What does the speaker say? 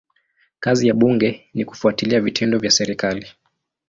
Kazi ya bunge ni kufuatilia vitendo vya serikali.